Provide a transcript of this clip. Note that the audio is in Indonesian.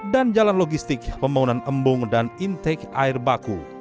dan jalan logistik pembangunan embung dan intake air baku